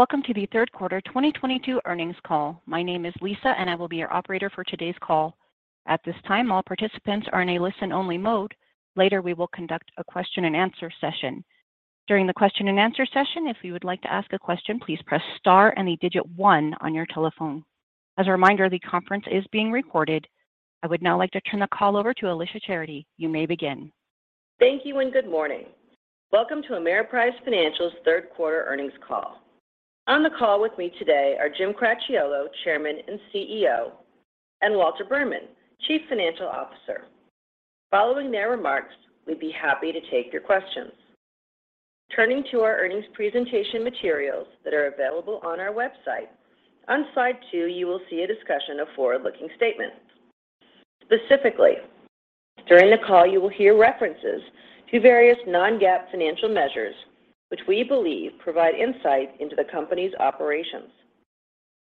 Welcome to the Third Quarter 2022 Earnings call. My name is Lisa, and I will be your operator for today's call. At this time, all participants are in a listen-only mode. Later, we will conduct a question-and-answer session. During the question-and-answer session, if you would like to ask a question, please press star and the digit one on your telephone. As a reminder, the conference is being recorded. I would now like to turn the call over to Alicia Charity. You may begin. Thank you and good morning. Welcome to Ameriprise Financial Third Quarter Earnings Call. On the call with me today are Jim Cracchiolo, Chairman and CEO, and Walter Berman, Chief Financial Officer. Following their remarks, we'd be happy to take your questions. Turning to our earnings presentation materials that are available on our website. On slide two, you will see a discussion of forward-looking statements. Specifically, during the call you will hear references to various non-GAAP financial measures which we believe provide insight into the company's operations.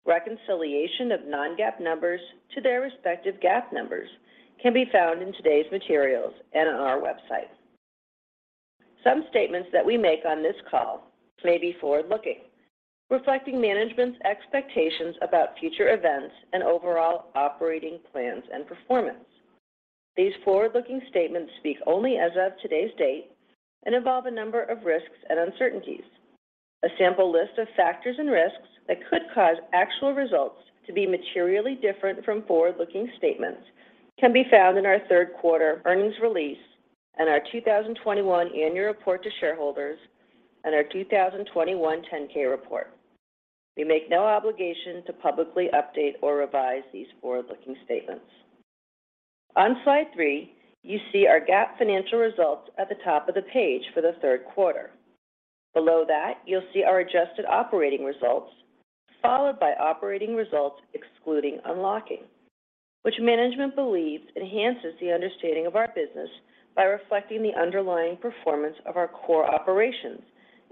Reconciliation of non-GAAP numbers to their respective GAAP numbers can be found in today's materials and on our website. Some statements that we make on this call may be forward-looking, reflecting management's expectations about future events and overall operating plans and performance. These forward-looking statements speak only as of today's date and involve a number of risks and uncertainties. A sample list of factors and risks that could cause actual results to be materially different from forward-looking statements can be found in our third quarter earnings release and our 2021 annual report to shareholders and our 2021 10-K report. We make no obligation to publicly update or revise these forward-looking statements. On slide 3, you see our GAAP financial results at the top of the page for the third quarter. Below that, you'll see our adjusted operating results, followed by operating results excluding unlocking, which management believes enhances the understanding of our business by reflecting the underlying performance of our core operations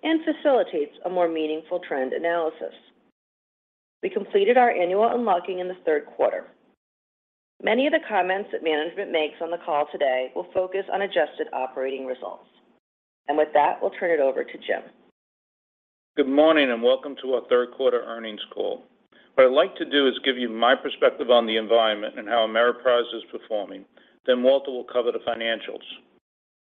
and facilitates a more meaningful trend analysis. We completed our annual unlocking in the third quarter. Many of the comments that management makes on the call today will focus on adjusted operating results. With that, we'll turn it over to Jim. Good morning and welcome to our third quarter earnings call. What I'd like to do is give you my perspective on the environment and how Ameriprise is performing. Then Walter will cover the financials.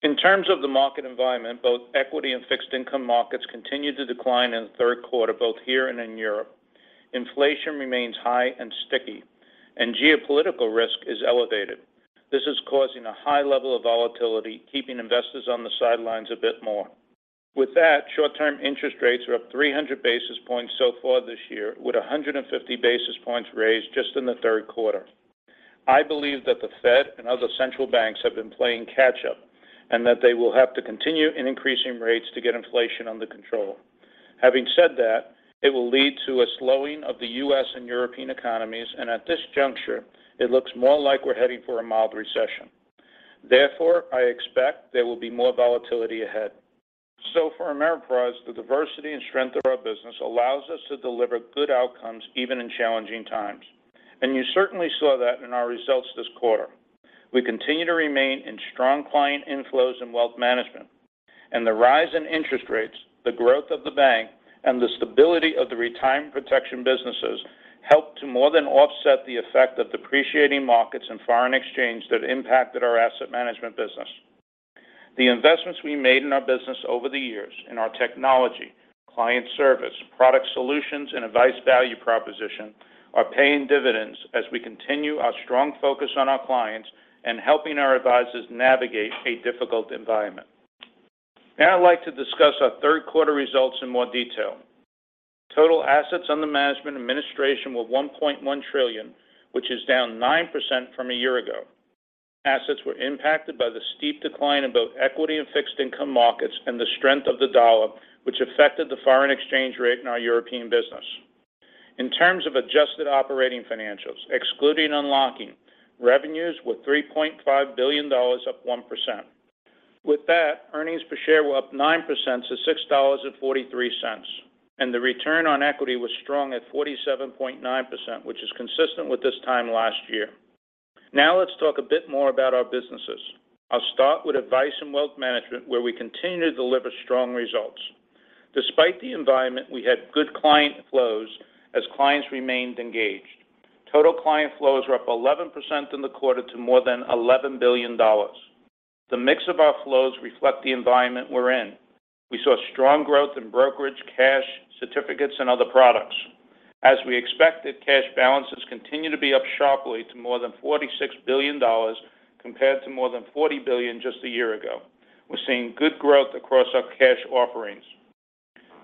In terms of the market environment, both equity and fixed income markets continued to decline in the third quarter, both here and in Europe. Inflation remains high and sticky, and geopolitical risk is elevated. This is causing a high level of volatility, keeping investors on the sidelines a bit more. With that, short-term interest rates are up 300 basis points so far this year, with 150 basis points raised just in the third quarter. I believe that the Fed and other central banks have been playing catch up, and that they will have to continue in increasing rates to get inflation under control. Having said that, it will lead to a slowing of the U.S. and European economies, and at this juncture it looks more like we're heading for a mild recession. Therefore, I expect there will be more volatility ahead. For Ameriprise, the diversity and strength of our business allows us to deliver good outcomes even in challenging times, and you certainly saw that in our results this quarter. We continue to remain in strong client inflows in wealth management. The rise in interest rates, the growth of the bank, and the stability of the retirement protection businesses helped to more than offset the effect of depreciating markets and foreign exchange that impacted our asset management business. The investments we made in our business over the years in our technology, client service, product solutions, and advice value proposition are paying dividends as we continue our strong focus on our clients and helping our advisors navigate a difficult environment. Now I'd like to discuss our third quarter results in more detail. Total assets under management and administration were $1.1 trillion, which is down 9% from a year ago. Assets were impacted by the steep decline in both equity and fixed income markets and the strength of the dollar, which affected the foreign exchange rate in our European business. In terms of adjusted operating financials, excluding unlocking, revenues were $3.5 billion, up 1%. With that, earnings per share were up 9% to $6.43, and the return on equity was strong at 47.9%, which is consistent with this time last year. Now let's talk a bit more about our businesses. I'll start with Advice & Wealth Management, where we continue to deliver strong results. Despite the environment, we had good client flows as clients remained engaged. Total client flows were up 11% in the quarter to more than $11 billion. The mix of our flows reflect the environment we're in. We saw strong growth in brokerage, cash, certificates, and other products. As we expected, cash balances continue to be up sharply to more than $46 billion compared to more than $40 billion just a year ago. We're seeing good growth across our cash offerings.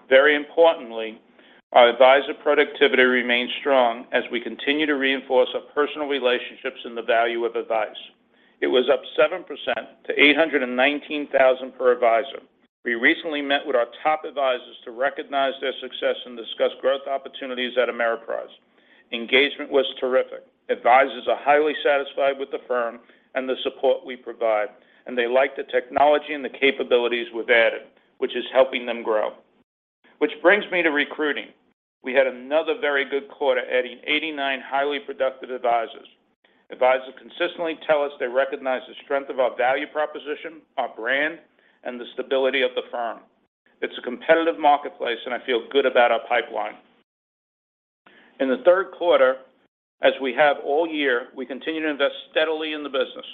Very importantly, our advisor productivity remains strong as we continue to reinforce our personal relationships and the value of advice. It was up 7% to $819,000 per advisor. We recently met with our top advisors to recognize their success and discuss growth opportunities at Ameriprise. Engagement was terrific. Advisors are highly satisfied with the firm and the support we provide, and they like the technology and the capabilities we've added, which is helping them grow. Which brings me to recruiting. We had another very good quarter, adding 89 highly productive advisors. Advisors consistently tell us they recognize the strength of our value proposition, our brand, and the stability of the firm. It's a competitive marketplace, and I feel good about our pipeline. In the third quarter, as we have all year, we continue to invest steadily in the business.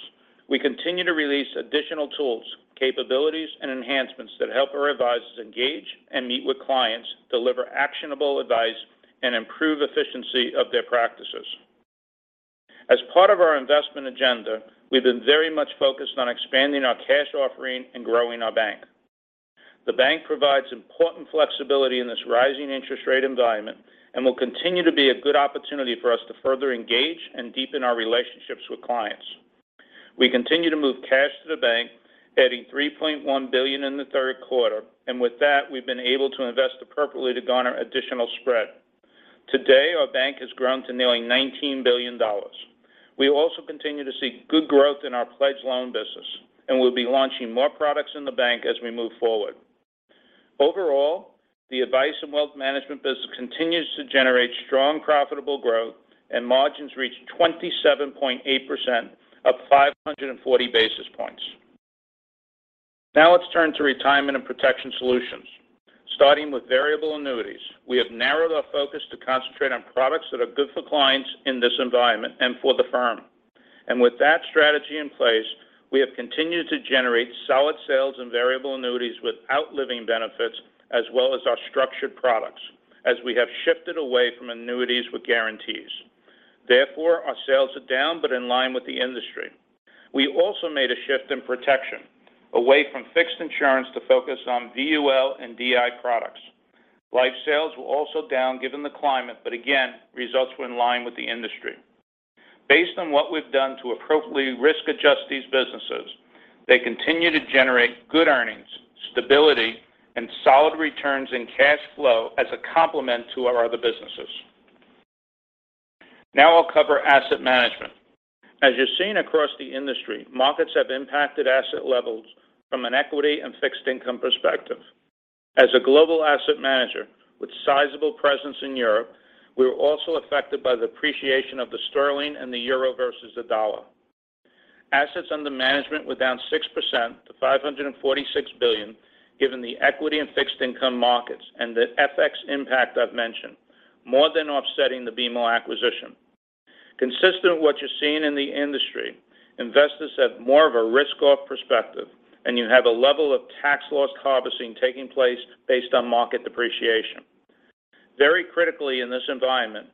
We continue to release additional tools, capabilities, and enhancements that help our advisors engage and meet with clients, deliver actionable advice, and improve efficiency of their practices. As part of our investment agenda, we've been very much focused on expanding our cash offering and growing our bank. The bank provides important flexibility in this rising interest rate environment and will continue to be a good opportunity for us to further engage and deepen our relationships with clients. We continue to move cash to the bank, adding $3.1 billion in the third quarter, and with that, we've been able to invest appropriately to garner additional spread. Today, our bank has grown to nearly $19 billion. We also continue to see good growth in our pledge loan business, and we'll be launching more products in the bank as we move forward. Overall, the Advice & Wealth Management business continues to generate strong, profitable growth, and margins reached 27.8%, up 540 basis points. Now let's turn to Retirement & Protection Solutions. Starting with variable annuities, we have narrowed our focus to concentrate on products that are good for clients in this environment and for the firm. With that strategy in place, we have continued to generate solid sales and variable annuities without living benefits, as well as our structured products, as we have shifted away from annuities with guarantees. Therefore, our sales are down, but in line with the industry. We also made a shift in protection away from fixed insurance to focus on VUL and DI products. Life sales were also down, given the climate, but again, results were in line with the industry. Based on what we've done to appropriately risk adjust these businesses, they continue to generate good earnings, stability, and solid returns in cash flow as a complement to our other businesses. Now I'll cover asset management. As you're seeing across the industry, markets have impacted asset levels from an equity and fixed income perspective. As a global asset manager with sizable presence in Europe, we're also affected by the appreciation of the sterling and the euro versus the dollar. Assets under management were down 6% to $546 billion, given the equity and fixed income markets and the FX impact I've mentioned, more than offsetting the BMO acquisition. Consistent with what you're seeing in the industry, investors have more of a risk-off perspective, and you have a level of tax loss harvesting taking place based on market depreciation. Very critically in this environment,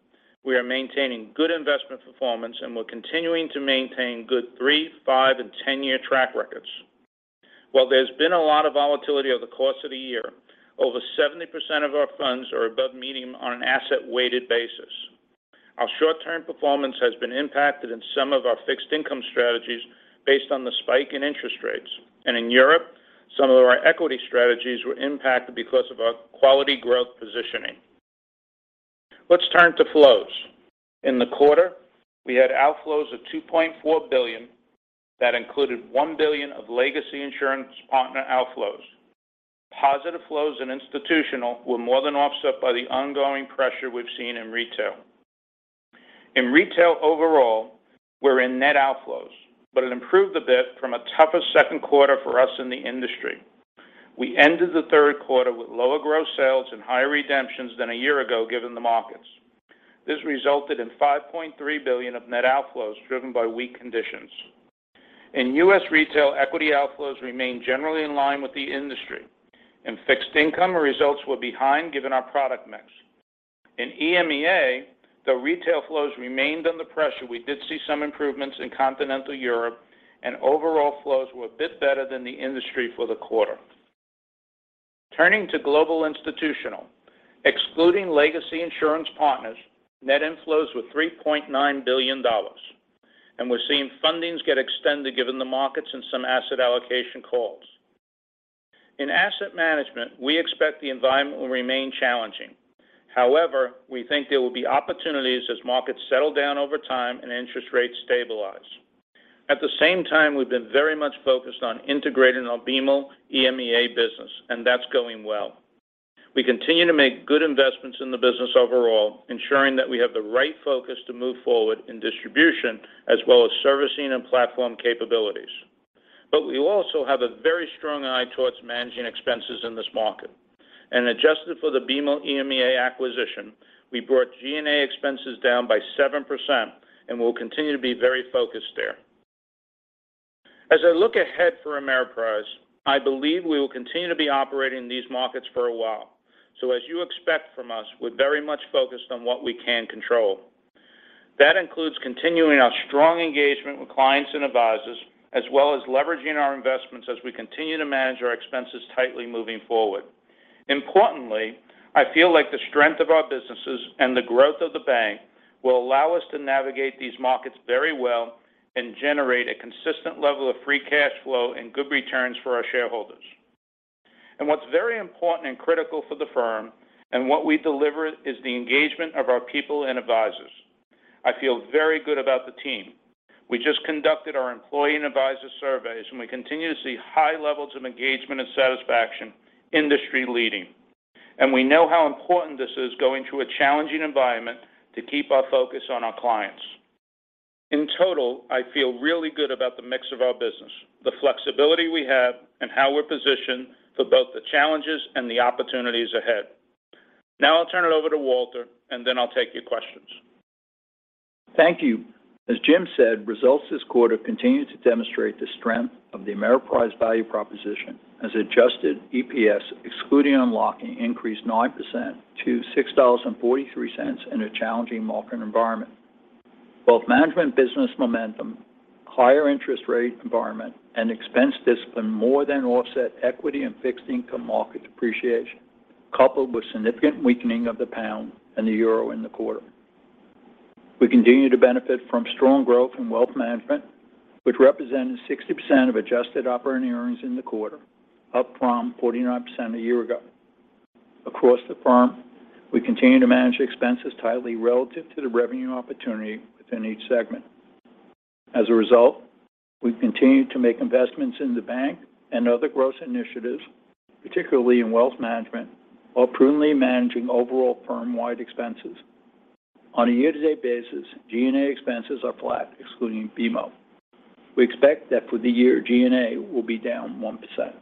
we are maintaining good investment performance, and we're continuing to maintain good 3, 5, and 10-year track records. While there's been a lot of volatility over the course of the year, over 70% of our funds are above medium on an asset-weighted basis. Our short-term performance has been impacted in some of our fixed income strategies based on the spike in interest rates. In Europe, some of our equity strategies were impacted because of our quality growth positioning. Let's turn to flows. In the quarter, we had outflows of $2.4 billion that included $1 billion of legacy insurance partner outflows. Positive flows in institutional were more than offset by the ongoing pressure we've seen in retail. In retail overall, we're in net outflows, but it improved a bit from a tougher second quarter for us in the industry. We ended the third quarter with lower gross sales and higher redemptions than a year ago, given the markets. This resulted in $5.3 billion of net outflows driven by weak conditions. In U.S. retail, equity outflows remained generally in line with the industry. In fixed income, our results were behind, given our product mix. In EMEA, though retail flows remained under pressure, we did see some improvements in continental Europe, and overall flows were a bit better than the industry for the quarter. Turning to global institutional, excluding legacy insurance partners, net inflows were $3.9 billion, and we're seeing fundings get extended given the markets and some asset allocation calls. In asset management, we expect the environment will remain challenging. However, we think there will be opportunities as markets settle down over time and interest rates stabilize. At the same time, we've been very much focused on integrating our BMO EMEA business, and that's going well. We continue to make good investments in the business overall, ensuring that we have the right focus to move forward in distribution as well as servicing and platform capabilities. We also have a very strong eye towards managing expenses in this market. Adjusted for the BMO EMEA acquisition, we brought G&A expenses down by 7% and will continue to be very focused there. As I look ahead for Ameriprise, I believe we will continue to be operating in these markets for a while. As you expect from us, we're very much focused on what we can control. That includes continuing our strong engagement with clients and advisors, as well as leveraging our investments as we continue to manage our expenses tightly moving forward. Importantly, I feel like the strength of our businesses and the growth of the bank will allow us to navigate these markets very well and generate a consistent level of free cash flow and good returns for our shareholders. What's very important and critical for the firm and what we deliver is the engagement of our people and advisors. I feel very good about the team. We just conducted our employee and advisor surveys, and we continue to see high levels of engagement and satisfaction, industry-leading. We know how important this is going through a challenging environment to keep our focus on our clients. In total, I feel really good about the mix of our business, the flexibility we have, and how we're positioned for both the challenges and the opportunities ahead. Now I'll turn it over to Walter, and then I'll take your questions. Thank you. As Jim said, results this quarter continued to demonstrate the strength of the Ameriprise value proposition as adjusted EPS, excluding unlocking, increased 9% to $6.43 in a challenging market environment. Both asset management business momentum, higher interest rate environment, and expense discipline more than offset equity and fixed income market depreciation, coupled with significant weakening of the Pound and the Euro in the quarter. We continue to benefit from strong growth in wealth management, which represented 60% of adjusted operating earnings in the quarter, up from 49% a year ago. Across the firm, we continue to manage expenses tightly relative to the revenue opportunity within each segment. As a result, we've continued to make investments in the bank and other growth initiatives, particularly in wealth management, while prudently managing overall firm-wide expenses. On a year-to-date basis, G&A expenses are flat, excluding BMO. We expect that for the year, G&A will be down 1%.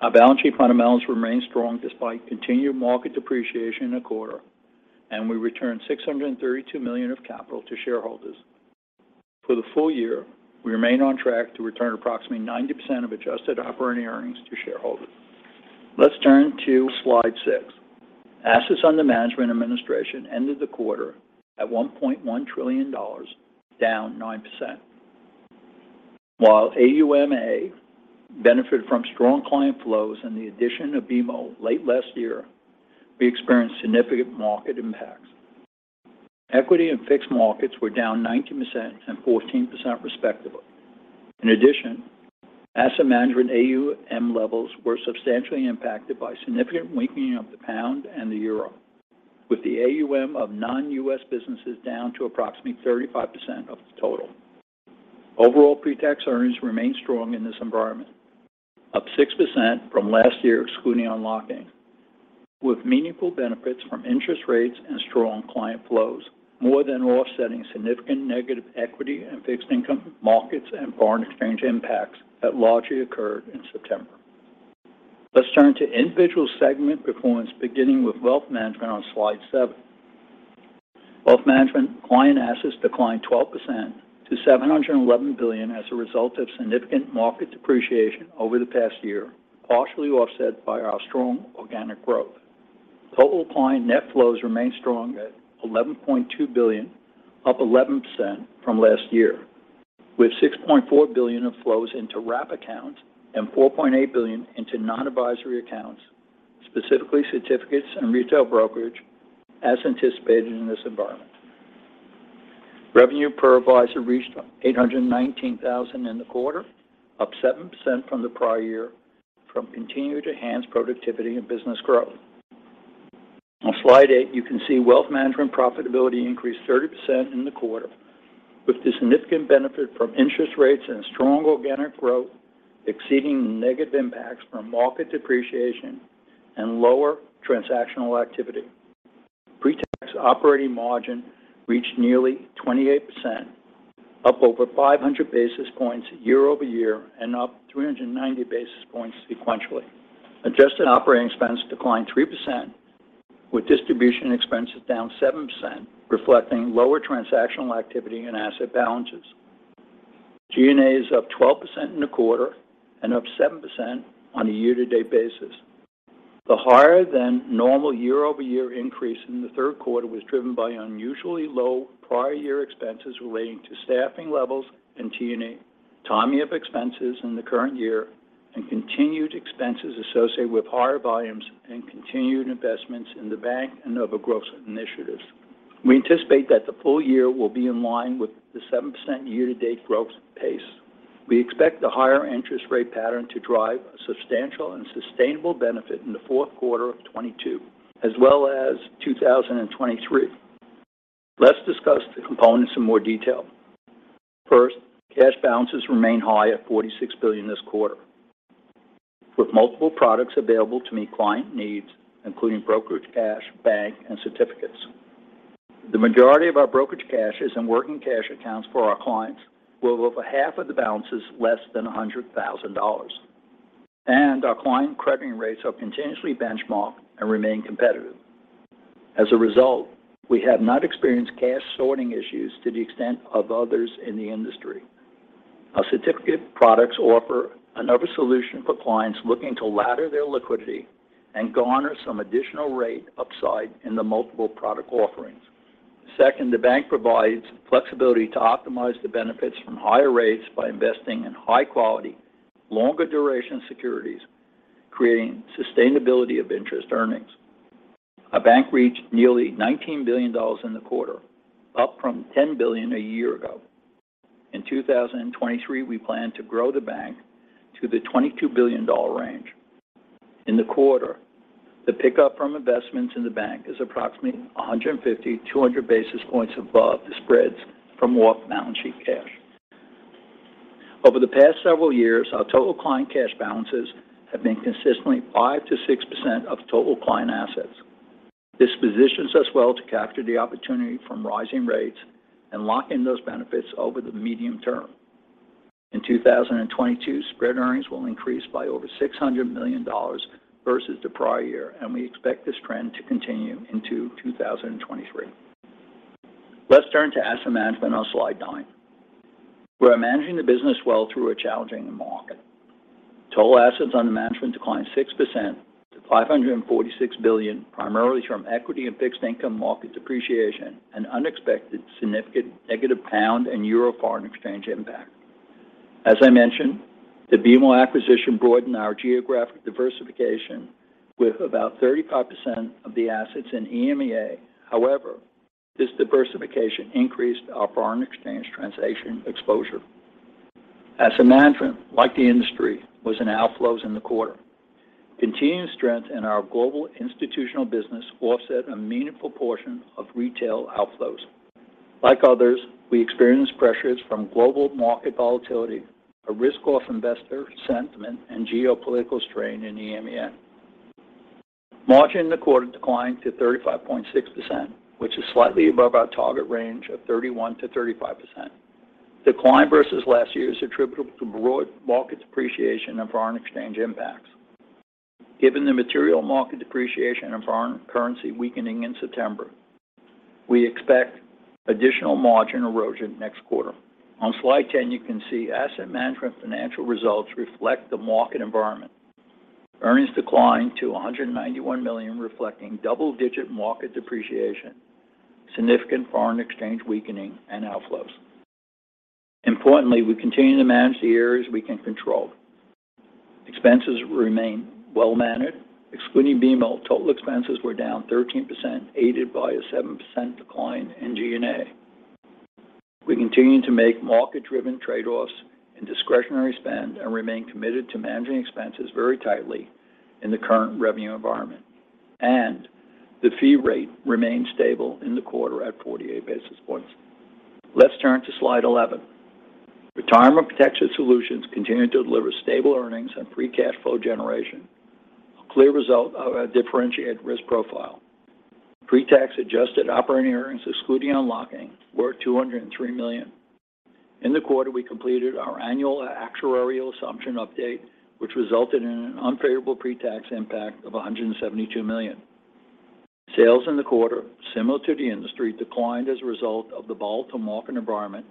Our balance sheet fundamentals remain strong despite continued market depreciation in the quarter, and we returned $632 million of capital to shareholders. For the full year, we remain on track to return approximately 90% of adjusted operating earnings to shareholders. Let's turn to slide 6. Assets under management administration ended the quarter at $1.1 trillion, down 9%. While AUMA benefited from strong client flows and the addition of BMO late last year, we experienced significant market impacts. Equity and fixed markets were down 19% and 14% respectively. In addition, asset management AUM levels were substantially impacted by significant weakening of the pound and the euro, with the AUM of non-US businesses down to approximately 35% of the total. Overall, pre-tax earnings remained strong in this environment, up 6% from last year, excluding unlocking, with meaningful benefits from interest rates and strong client flows more than offsetting significant negative equity in fixed income markets and foreign exchange impacts that largely occurred in September. Let's turn to individual segment performance, beginning with wealth management on slide seven. Wealth management client assets declined 12% to $711 billion as a result of significant market depreciation over the past year, partially offset by our strong organic growth. Total client net flows remained strong at $11.2 billion, up 11% from last year, with $6.4 billion of flows into wrap accounts and $4.8 billion into non-advisory accounts, specifically certificates and retail brokerage, as anticipated in this environment. Revenue per advisor reached $819,000 in the quarter, up 7% from the prior year from continued enhanced productivity and business growth. On slide 8, you can see wealth management profitability increased 30% in the quarter, with the significant benefit from interest rates and strong organic growth exceeding negative impacts from market depreciation and lower transactional activity. Pre-tax operating margin reached nearly 28%, up over 500 basis points year over year and up 390 basis points sequentially. Adjusted operating expense declined 3%, with distribution expenses down 7%, reflecting lower transactional activity and asset balances. G&A is up 12% in the quarter and up 7% on a year-to-date basis. The higher than normal year-over-year increase in the third quarter was driven by unusually low prior year expenses relating to staffing levels and T&E, timing of expenses in the current year, and continued expenses associated with higher volumes and continued investments in the bank and other growth initiatives. We anticipate that the full year will be in line with the 7% year-to-date growth pace. We expect the higher interest rate pattern to drive a substantial and sustainable benefit in the fourth quarter of 2022 as well as 2023. Let's discuss the components in more detail. First, cash balances remain high at $46 billion this quarter, with multiple products available to meet client needs, including brokerage cash, bank, and certificates. The majority of our brokerage cashes and working cash accounts for our clients were over half of the balances less than $100,000. Our client crediting rates are continuously benchmarked and remain competitive. As a result, we have not experienced cash sorting issues to the extent of others in the industry. Our certificate products offer another solution for clients looking to ladder their liquidity and garner some additional rate upside in the multiple product offerings. Second, the bank provides flexibility to optimize the benefits from higher rates by investing in high quality, longer duration securities, creating sustainability of interest earnings. Our bank reached nearly $19 billion in the quarter, up from $10 billion a year ago. In 2023, we plan to grow the bank to the $22 billion range. In the quarter, the pickup from investments in the bank is approximately 150-200 basis points above the spreads from walked balance sheet cash. Over the past several years, our total client cash balances have been consistently 5%-6% of total client assets. This positions us well to capture the opportunity from rising rates and lock in those benefits over the medium term. In 2022, spread earnings will increase by over $600 million versus the prior year, and we expect this trend to continue into 2023. Let's turn to asset management on slide nine. We are managing the business well through a challenging market. Total assets under management declined 6% to $546 billion, primarily from equity and fixed income market depreciation and unexpected significant negative pound and euro foreign exchange impact. As I mentioned, the BMO acquisition broadened our geographic diversification with about 35% of the assets in EMEA. However, this diversification increased our foreign exchange translation exposure. Asset management, like the industry, was in outflows in the quarter. Continued strength in our global institutional business offset a meaningful portion of retail outflows. Like others, we experienced pressures from global market volatility, a risk-off investor sentiment, and geopolitical strain in EMEA. Margin in the quarter declined to 35.6%, which is slightly above our target range of 31%-35%. Decline versus last year is attributable to broad market depreciation and foreign exchange impacts. Given the material market depreciation and foreign currency weakening in September, we expect additional margin erosion next quarter. On slide 10, you can see asset management financial results reflect the market environment. Earnings declined to $191 million, reflecting double-digit market depreciation, significant foreign exchange weakening, and outflows. Importantly, we continue to manage the areas we can control. Expenses remain well-managed. Excluding BMO, total expenses were down 13%, aided by a 7% decline in G&A. We continue to make market-driven trade-offs in discretionary spend and remain committed to managing expenses very tightly in the current revenue environment, and the fee rate remained stable in the quarter at 48 basis points. Let's turn to slide 11. Retirement & Protection Solutions continued to deliver stable earnings and free cash flow generation, a clear result of our differentiated risk profile. Pre-tax adjusted operating earnings, excluding unlocking, were $203 million. In the quarter, we completed our annual actuarial assumption update, which resulted in an unfavorable pre-tax impact of $172 million. Sales in the quarter, similar to the industry, declined as a result of the volatile market environment,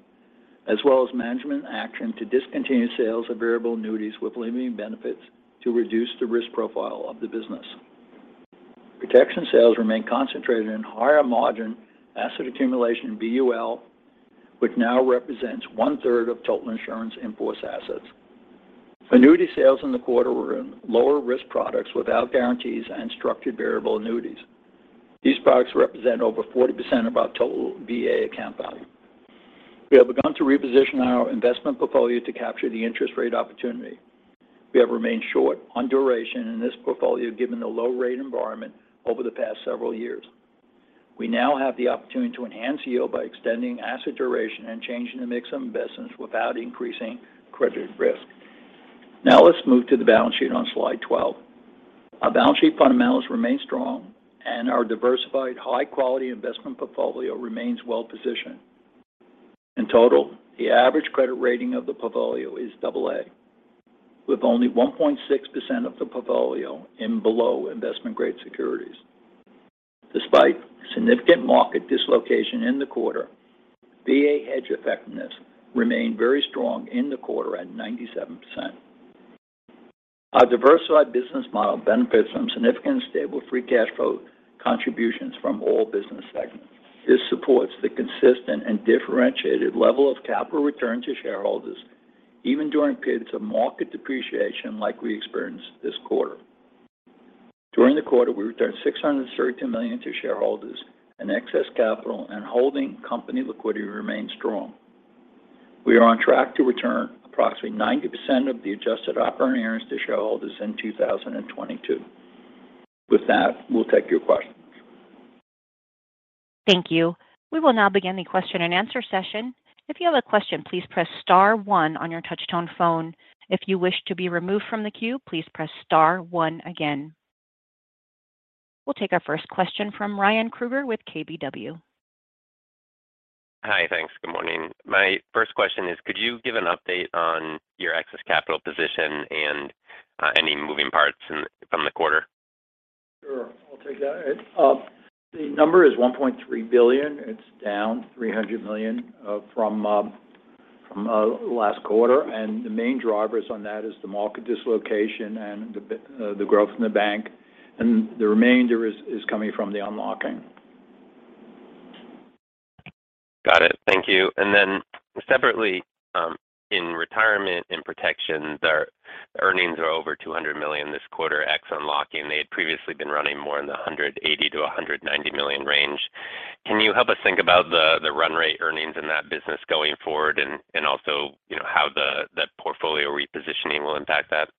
as well as management action to discontinue sales of variable annuities with living benefits to reduce the risk profile of the business. Protection sales remain concentrated in higher-margin asset accumulation in VUL, which now represents 1/3 of total insurance in-force assets. Annuity sales in the quarter were in lower-risk products without guarantees and structured variable annuities. These products represent over 40% of our total VA account value. We have begun to reposition our investment portfolio to capture the interest rate opportunity. We have remained short on duration in this portfolio given the low-rate environment over the past several years. We now have the opportunity to enhance yield by extending asset duration and changing the mix of investments without increasing credit risk. Now let's move to the balance sheet on slide 12. Our balance sheet fundamentals remain strong and our diversified high-quality investment portfolio remains well positioned. In total, the average credit rating of the portfolio is double A, with only 1.6% of the portfolio in below-investment-grade securities. Despite significant market dislocation in the quarter, VA hedge effectiveness remained very strong in the quarter at 97%. Our diversified business model benefits from significant stable free cash flow contributions from all business segments. This supports the consistent and differentiated level of capital return to shareholders even during periods of market depreciation like we experienced this quarter. During the quarter, we returned $632 million to shareholders in excess capital and holding company liquidity remains strong. We are on track to return approximately 90% of the adjusted operating earnings to shareholders in 2022. With that, we'll take your questions. Thank you. We will now begin the question and answer session. If you have a question, please press star one on your touch-tone phone. If you wish to be removed from the queue, please press star one again. We'll take our first question from Ryan Krueger with KBW. Hi. Thanks. Good morning. My first question is, could you give an update on your excess capital position and any moving parts in from the quarter? Sure. I'll take that. The number is $1.3 billion. It's down $300 million from last quarter, and the main drivers on that is the market dislocation and the growth in the bank, and the remainder is coming from the unlocking. Got it. Thank you. Then separately, in retirement and protection, the earnings are over $200 million this quarter ex unlocking. They had previously been running more in the $180-$190 million range. Can you help us think about the run rate earnings in that business going forward and also, you know, how that portfolio repositioning will impact that?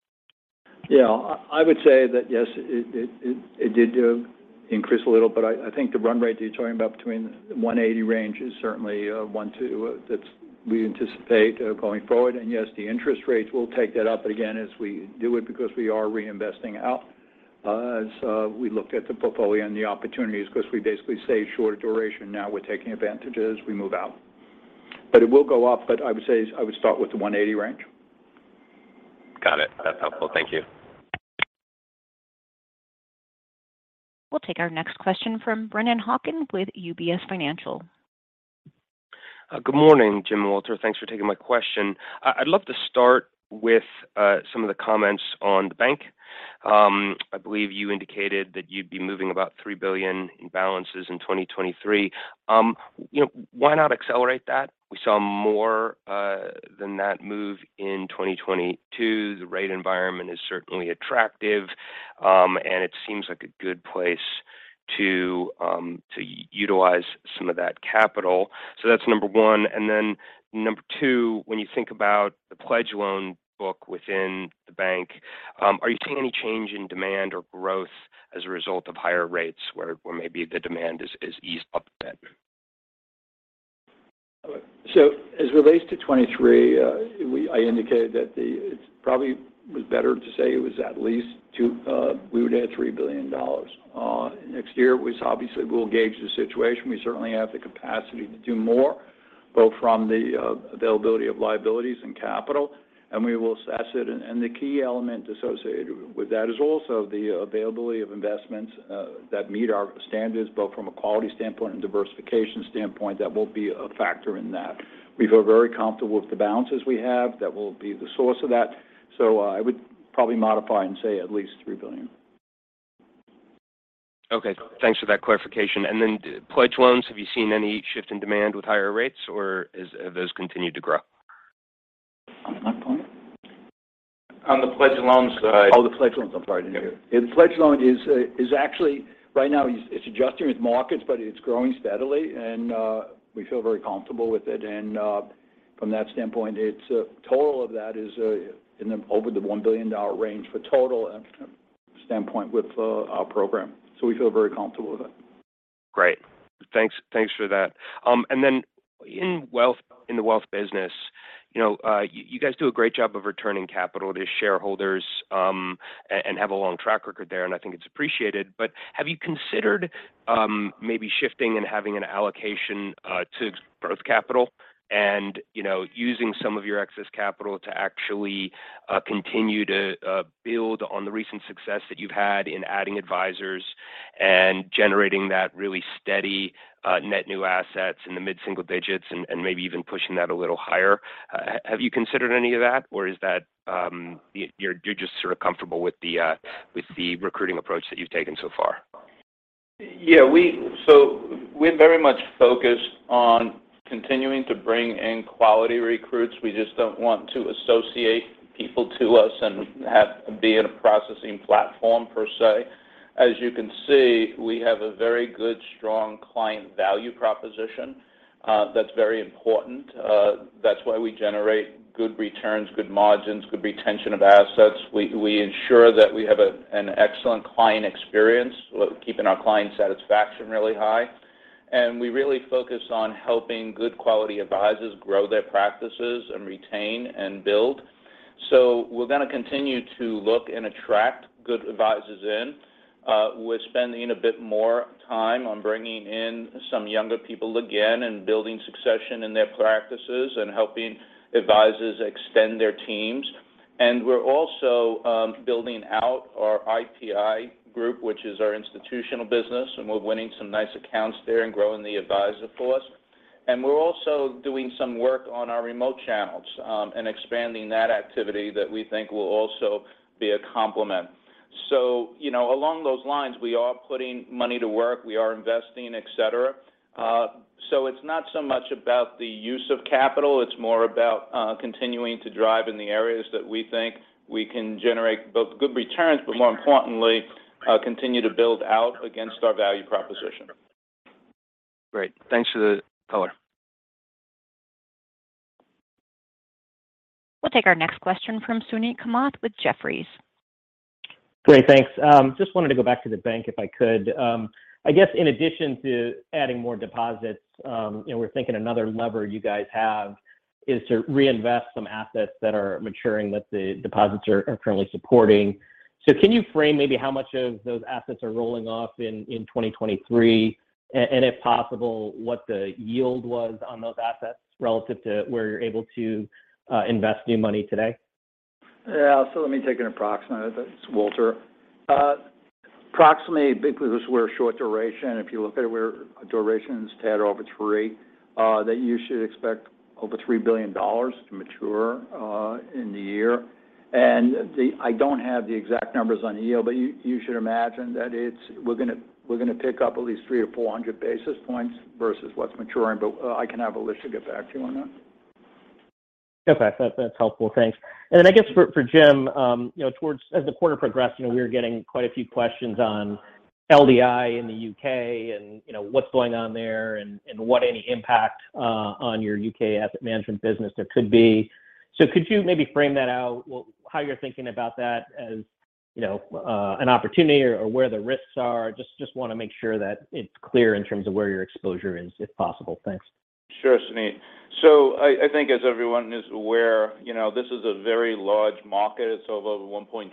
Yeah, I would say that yes, it did increase a little, but I think the run rate that you're talking about in the 180 range is certainly one that we anticipate going forward. Yes, the interest rates will take that up again as we do it because we are reinvesting out. As we looked at the portfolio and the opportunities because we basically stay shorter duration now we're taking advantage as we move out. It will go up. I would say I would start with the 180 range. Got it. That's helpful. Thank you. We'll take our next question from Brennan Hawken with UBS. Good morning, Jim and Walter. Thanks for taking my question. I'd love to start with some of the comments on the bank. I believe you indicated that you'd be moving about $3 billion in balances in 2023. You know, why not accelerate that? We saw more than that move in 2022. The rate environment is certainly attractive, and it seems like a good place to utilize some of that capital. That's number one. Number two, when you think about the pledge loan book within the bank, are you seeing any change in demand or growth as a result of higher rates where maybe the demand is eased up a bit? As it relates to 2023, I indicated that it probably was better to say it was at least two. We would add $3 billion next year. We obviously will gauge the situation. We certainly have the capacity to do more, both from the availability of liabilities and capital, and we will assess it. And the key element associated with that is also the availability of investments that meet our standards, both from a quality standpoint and diversification standpoint. That will be a factor in that. We feel very comfortable with the balances we have. That will be the source of that. I would probably modify and say at least $3 billion. Okay. Thanks for that clarification. Pledge loans, have you seen any shift in demand with higher rates or have those continued to grow? On that point? On the pledge loans side. Oh, the pledge loans. I'm sorry. Didn't hear you. The pledge loan is actually right now, it's adjusting with markets, but it's growing steadily and we feel very comfortable with it. From that standpoint, it's total of that is in the over $1 billion range from a total standpoint with our program. We feel very comfortable with it. Great. Thanks for that. Then in the wealth business, you know, you guys do a great job of returning capital to shareholders and have a long track record there, and I think it's appreciated. Have you considered maybe shifting and having an allocation to growth capital and, you know, using some of your excess capital to actually continue to build on the recent success that you've had in adding advisors and generating that really steady net new assets in the mid-single digits and maybe even pushing that a little higher? Have you considered any of that, or is that you're just sort of comfortable with the recruiting approach that you've taken so far? Yeah, we're very much focused on continuing to bring in quality recruits. We just don't want to associate people to us and be in a processing platform per se. As you can see, we have a very good, strong client value proposition. That's very important. That's why we generate good returns, good margins, good retention of assets. We ensure that we have an excellent client experience, keeping our client satisfaction really high. We really focus on helping good quality advisors grow their practices and retain and build. We're going to continue to look and attract good advisors in. We're spending a bit more time on bringing in some younger people again and building succession in their practices and helping advisors extend their teams. We're also building out our IPI group, which is our institutional business, and we're winning some nice accounts there and growing the advisor force. We're also doing some work on our remote channels, and expanding that activity that we think will also be a complement. You know, along those lines, we are putting money to work, we are investing, et cetera. It's not so much about the use of capital, it's more about continuing to drive in the areas that we think we can generate both good returns, but more importantly continue to build out against our value proposition. Great. Thanks for the call. We'll take our next question from Suneet Kamath with Jefferies. Great. Thanks. Just wanted to go back to the bank, if I could. I guess in addition to adding more deposits, you know, we're thinking another lever you guys have is to reinvest some assets that are maturing that the deposits are currently supporting. Can you frame maybe how much of those assets are rolling off in 2023, and if possible, what the yield was on those assets relative to where you're able to invest new money today? Let me take a stab at that. It's Walter. Approximately, because we're short duration, if you look at where duration is a tad over 3, you should expect over $3 billion to mature in the year. I don't have the exact numbers on yield, but you should imagine that we're gonna pick up at least 300 or 400 basis points versus what's maturing. But I can have Alicia get back to you on that. Okay. That's helpful. Thanks. Then I guess for Jim, you know, towards as the quarter progressed, you know, we were getting quite a few questions on LDI in the UK and, you know, what's going on there and what any impact on your UK asset management business there could be. So could you maybe frame that out? How you're thinking about that as, you know, an opportunity or where the risks are? Just wanna make sure that it's clear in terms of where your exposure is, if possible. Thanks. Sure, Suneet. I think as everyone is aware, you know, this is a very large market. It's over $1.3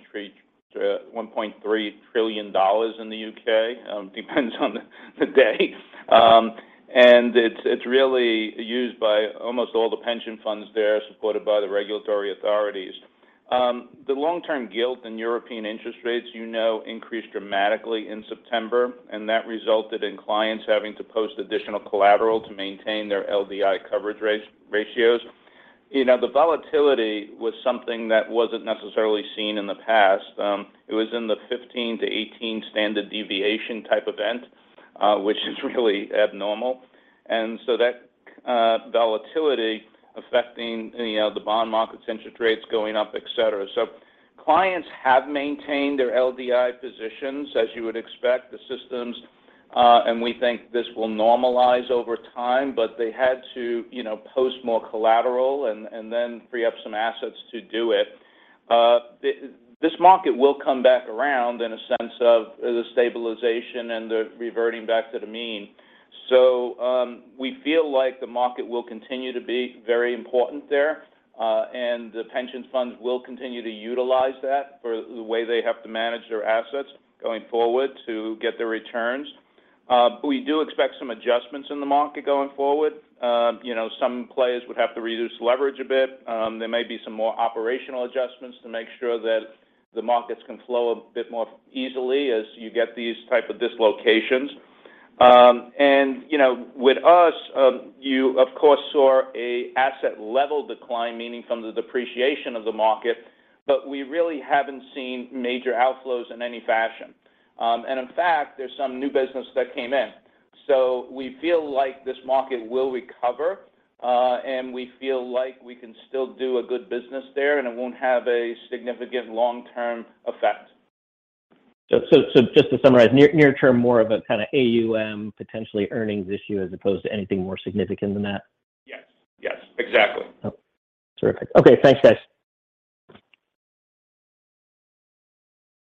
trillion in the UK, depends on the day. And it's really used by almost all the pension funds there, supported by the regulatory authorities. The long-term gilt and European interest rates, you know, increased dramatically in September, and that resulted in clients having to post additional collateral to maintain their LDI coverage ratios. You know, the volatility was something that wasn't necessarily seen in the past. It was in the 15-18 standard deviation type event, which is really abnormal. That volatility affecting, you know, the bond market, interest rates going up, et cetera. Clients have maintained their LDI positions, as you would expect, the systems, and we think this will normalize over time, but they had to, you know, post more collateral and then free up some assets to do it. This market will come back around in a sense of the stabilization and the reverting back to the mean. We feel like the market will continue to be very important there, and the pension funds will continue to utilize that for the way they have to manage their assets going forward to get the returns. We do expect some adjustments in the market going forward. You know, some players would have to reduce leverage a bit. There may be some more operational adjustments to make sure that the markets can flow a bit more easily as you get these type of dislocations. You know, with us, you of course saw an asset level decline, meaning from the depreciation of the market, but we really haven't seen major outflows in any fashion. In fact, there's some new business that came in. We feel like this market will recover, and we feel like we can still do a good business there, and it won't have a significant long-term effect. Just to summarize, near term, more of a kind of AUM potentially earnings issue as opposed to anything more significant than that? Yes. Yes. Exactly. Oh, terrific. Okay. Thanks, guys.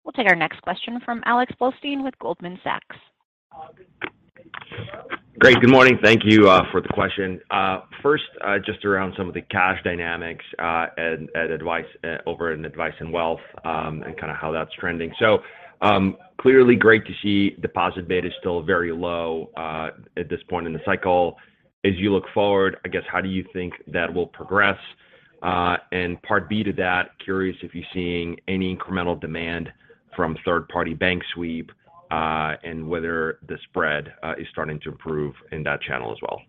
We'll take our next question from Alex Blostein with Goldman Sachs. Great. Good morning. Thank you for the question. First, just around some of the cash dynamics at Advice over in Advice and Wealth, and kind of how that's trending. Clearly great to see deposit beta is still very low at this point in the cycle. As you look forward, I guess, how do you think that will progress? Part B to that, curious if you're seeing any incremental demand from third-party bank sweep, and whether the spread is starting to improve in that channel as well.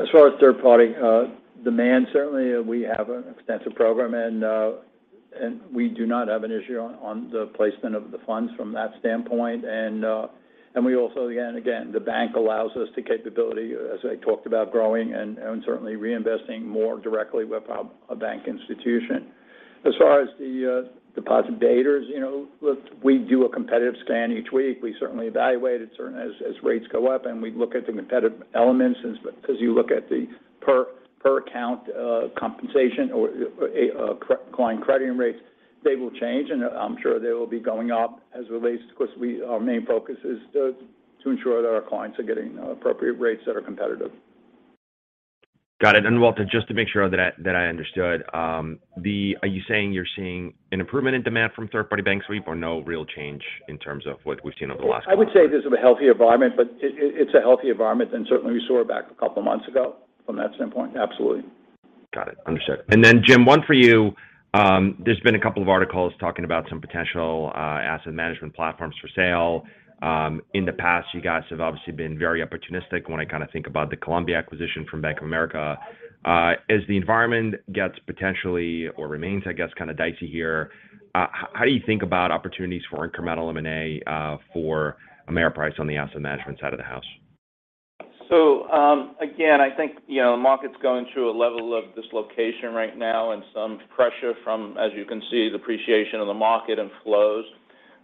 As far as third-party demand, certainly we have an extensive program and we do not have an issue on the placement of the funds from that standpoint. We also, again, the bank allows us the capability, as I talked about growing and certainly reinvesting more directly with a bank institution. As far as the deposit betas, you know, look, we do a competitive scan each week. We certainly evaluate it as rates go up, and we look at the competitive elements as, because you look at the per account compensation or client crediting rates, they will change, and I'm sure they will be going up as it relates because our main focus is to ensure that our clients are getting appropriate rates that are competitive. Got it. Walter, just to make sure that I understood, are you saying you're seeing an improvement in demand from third-party bank sweep or no real change in terms of what we've seen over the last quarter? I would say this is a healthy environment, but it's a healthy environment than certainly we saw back a couple months ago from that standpoint. Absolutely. Got it. Understood. Jim, one for you. There's been a couple of articles talking about some potential asset management platforms for sale. In the past, you guys have obviously been very opportunistic when I kind of think about the Columbia acquisition from Bank of America. As the environment gets potentially or remains, I guess, kind of dicey here, how do you think about opportunities for incremental M&A for Ameriprise on the asset management side of the house? Again, I think, you know, the market's going through a level of dislocation right now and some pressure from, as you can see, the appreciation of the market and flows.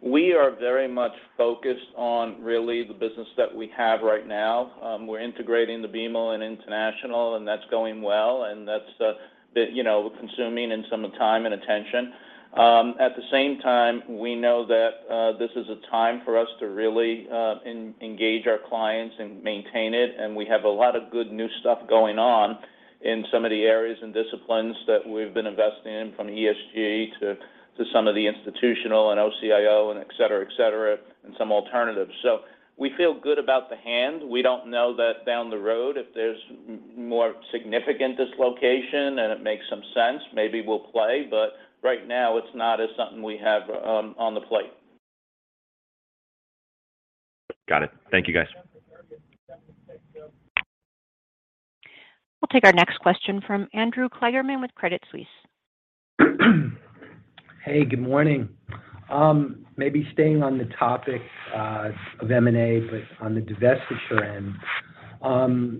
We are very much focused on really the business that we have right now. We're integrating the BMO and International, and that's going well, and that's, you know, consuming some of our time and attention. At the same time, we know that this is a time for us to really engage our clients and maintain it, and we have a lot of good new stuff going on in some of the areas and disciplines that we've been investing in, from ESG to some of the institutional and OCIO and et cetera, et cetera, and some alternatives. We feel good about the hand. We don't know that down the road if there's more significant dislocation, and it makes some sense, maybe we'll play, but right now it's not something we have on the plate. Got it. Thank you, guys. We'll take our next question from Andrew Kligerman with Credit Suisse. Hey, good morning. Maybe staying on the topic of M&A, but on the divestiture end.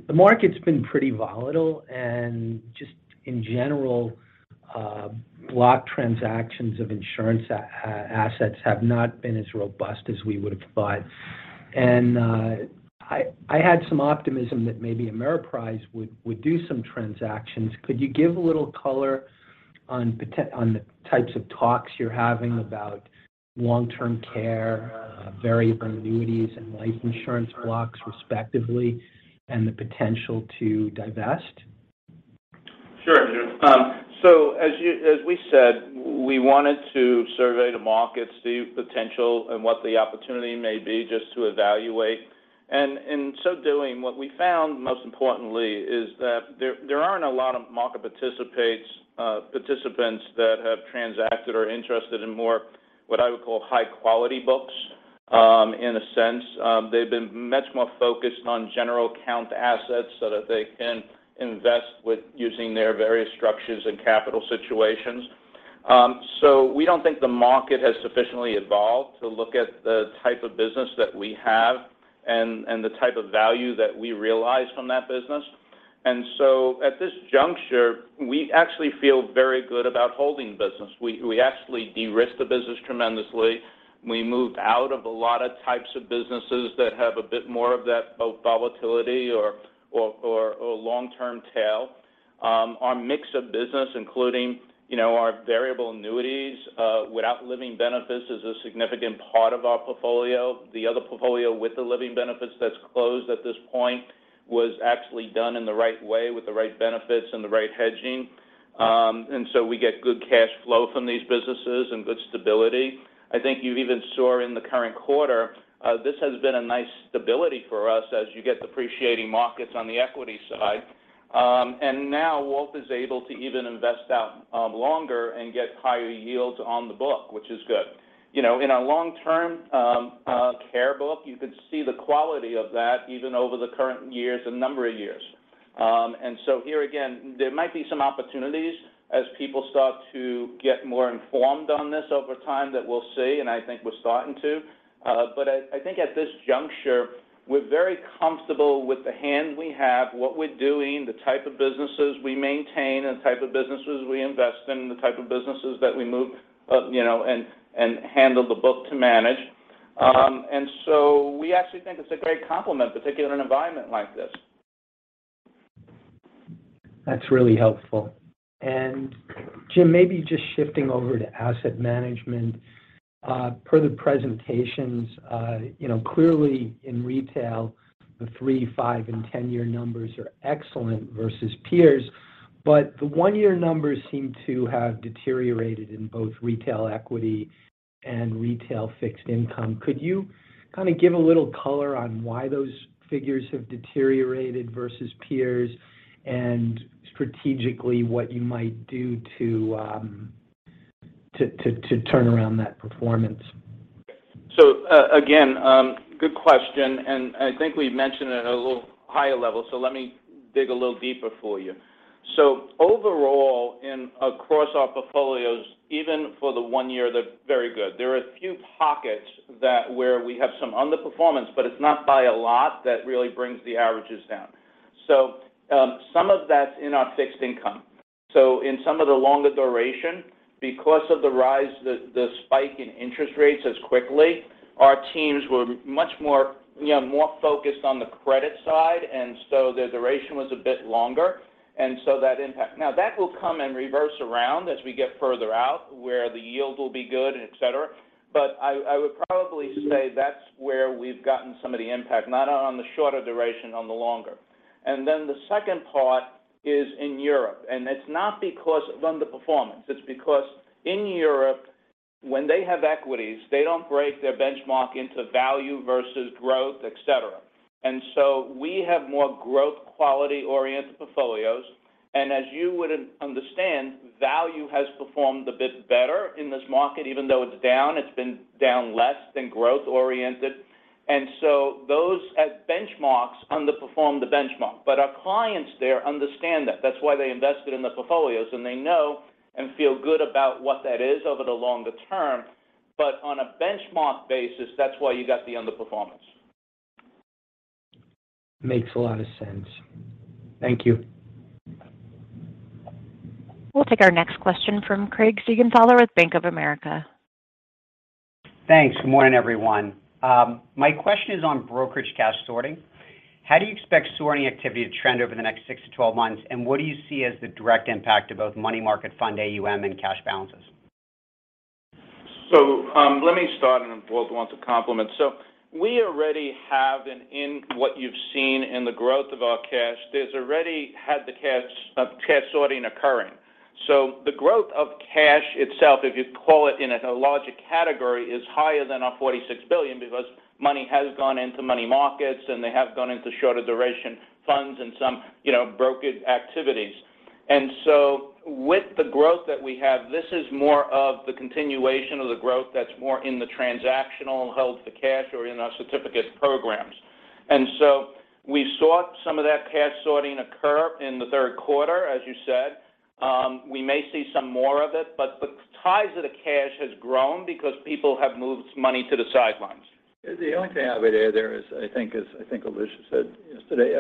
The market's been pretty volatile, and just in general, block transactions of insurance assets have not been as robust as we would have thought. I had some optimism that maybe Ameriprise would do some transactions. Could you give a little color on the types of talks you're having about long-term care, variable annuities, and life insurance blocks respectively, and the potential to divest? Sure. As we said, we wanted to survey the markets, see potential and what the opportunity may be just to evaluate. In so doing, what we found, most importantly, is that there aren't a lot of market participants that have transacted or interested in more what I would call high-quality books. In a sense, they've been much more focused on general account assets so that they can invest with using their various structures and capital situations. We don't think the market has sufficiently evolved to look at the type of business that we have and the type of value that we realize from that business. At this juncture, we actually feel very good about holding business. We actually de-risked the business tremendously. We moved out of a lot of types of businesses that have a bit more of that, both volatility or long-term tail. Our mix of business, including, you know, our variable annuities without living benefits, is a significant part of our portfolio. The other portfolio with the living benefits that's closed at this point was actually done in the right way with the right benefits and the right hedging. We get good cash flow from these businesses and good stability. I think you even saw in the current quarter this has been a nice stability for us as you get the appreciating markets on the equity side. Now Walter is able to even invest out longer and get higher yields on the book, which is good. You know, in our long-term care book, you could see the quality of that even over the current years and number of years. Here again, there might be some opportunities as people start to get more informed on this over time that we'll see, and I think we're starting to. I think at this juncture, we're very comfortable with the hand we have, what we're doing, the type of businesses we maintain and type of businesses we invest in, the type of businesses that we move, you know, and handle the book to manage. We actually think it's a great complement, particularly in an environment like this. That's really helpful. Jim, maybe just shifting over to asset management. Per the presentations, you know, clearly in retail, the 3-5- and 10-year numbers are excellent versus peers, but the 1-year numbers seem to have deteriorated in both retail equity and retail fixed income. Could you kind of give a little color on why those figures have deteriorated versus peers and strategically what you might do to turn around that performance? Again, good question, and I think we've mentioned it at a little higher level, so let me dig a little deeper for you. Overall across our portfolios, even for the one year, they're very good. There are a few pockets where we have some underperformance, but it's not by a lot that really brings the averages down. Some of that's in our fixed income. In some of the longer duration, because of the rise, the spike in interest rates as quickly, our teams were much more, you know, more focused on the credit side, and so the duration was a bit longer. That impact. Now, that will come and reverse around as we get further out, where the yield will be good, et cetera. I would probably say that's where we've gotten some of the impact, not on the shorter duration, on the longer. The second part is in Europe, and it's not because of underperformance. It's because in Europe, when they have equities, they don't break their benchmark into value versus growth, et cetera. We have more growth quality-oriented portfolios. As you would understand, value has performed a bit better in this market. Even though it's down, it's been down less than growth-oriented. Those as benchmarks underperform the benchmark. Our clients there understand that. That's why they invested in the portfolios, and they know and feel good about what that is over the longer term. On a benchmark basis, that's why you got the underperformance. Makes a lot of sense. Thank you. We'll take our next question from Craig Siegenthaler with Bank of America. Thanks. Good morning, everyone. My question is on brokerage cash sorting. How do you expect sorting activity to trend over the next 6-12 months, and what do you see as the direct impact to both money market fund AUM and cash balances? Let me start, and then Walter wants a comment. We already have, in what you've seen, in the growth of our cash. There has already been cash sorting occurring. The growth of cash itself, if you call it in a liquidity category, is higher than our $46 billion because money has gone into money markets, and they have gone into shorter duration funds and some, you know, brokerage activities. With the growth that we have, this is more of the continuation of the growth that's more in the transactional, held-to-cash or in our certificate programs. We saw some of that cash sorting occur in the third quarter, as you said. We may see some more of it, but the tide of cash has grown because people have moved money to the side lines. The only thing I would add there is, I think Alicia said yesterday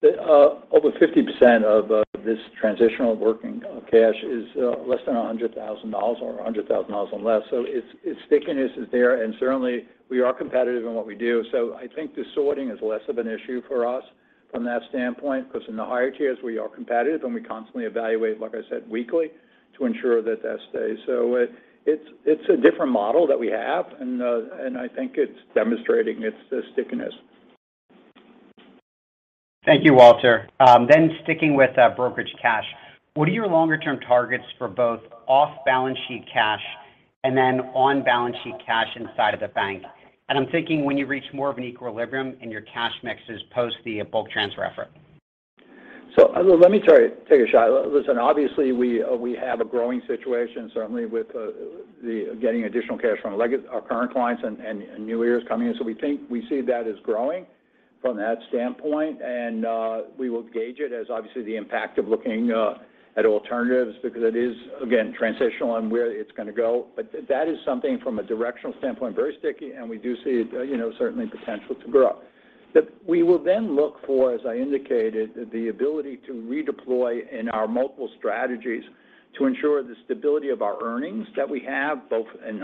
that over 50% of this transitional working cash is less than $100,000 or $100,000 or less. It's stickiness is there, and certainly we are competitive in what we do. I think the sorting is less of an issue for us from that standpoint, because in the higher tiers, we are competitive, and we constantly evaluate, like I said, weekly to ensure that that stays. It's a different model that we have. I think it's demonstrating its stickiness. Thank you, Walter. Sticking with brokerage cash, what are your longer-term targets for both off-balance sheet cash and then on-balance sheet cash inside of the bank? I'm thinking when you reach more of an equilibrium in your cash mixes post the bulk transfer effort. Let me try take a shot. Listen, obviously we have a growing situation, certainly with getting additional cash from our current clients and new clients coming in. We think we see that as growing from that standpoint. We will gauge it as obviously the impact of looking at alternatives because it is again, transitional and where it's going to go. That is something from a directional standpoint, very sticky. We do see, you know, certainly potential to grow. We will then look for, as I indicated, the ability to redeploy in our multiple strategies to ensure the stability of our earnings that we have both in